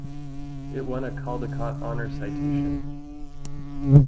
It won a Caldecott Honor citation.